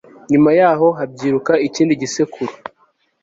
nyuma y'aho habyiruka ikindi gisekuru